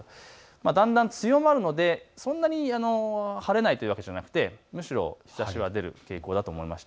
だんだん強まるのでそんなに晴れないというわけではなく、むしろ日ざしは出る傾向だと思います。